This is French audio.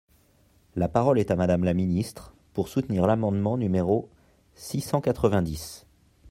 La parole est à Madame la ministre, pour soutenir l’amendement numéro six cent quatre-vingt-dix.